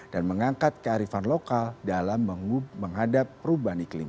dan mengangkat kearifan lokal dalam menghadap perubahan iklim